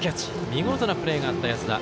見事なプレーがあった安田。